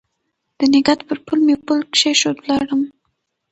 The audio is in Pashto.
د نګهت پر پل مې پل کښېښوی ولاړم